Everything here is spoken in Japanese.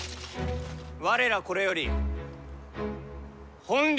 我らこれより本領